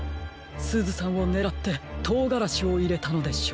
すずさんをねらってとうがらしをいれたのでしょう。